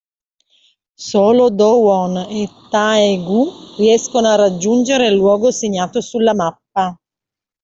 Solo Do-won e Tae-gu riescono a raggiungere il luogo segnato sulla mappa.